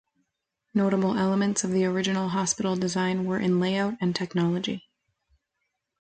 Notable elements of the original hospital design were in layout and technology.